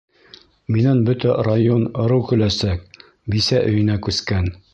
Минән бөтә район, ырыу көләсәк: «Бисә өйөнә күскән!»